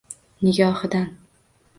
Nigohidan